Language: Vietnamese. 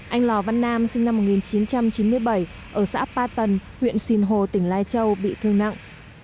anh lò văn nam sinh năm một nghìn chín trăm chín mươi bảy ở xã ba tần huyện sìn hồ tỉnh lai châu bị thương nặng